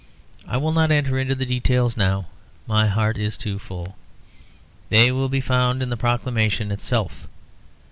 I will not enter into the details now, my heart is too full. They will be found in the proclamation itself.